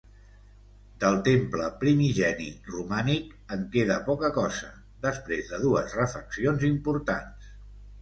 Del temple primigeni romànic, en queda poca cosa, després de dues refaccions importants.